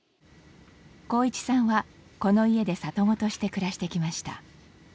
航一さんはこの家で里子として暮らしてきました。